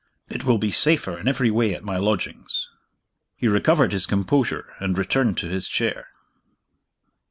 It will be safer in every way at my lodgings." He recovered his composure, and returned to his chair.